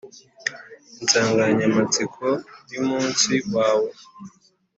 insanganyamatsiko yumunsi wawe